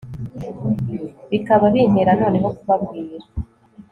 bikaba bintera noneho kubabwira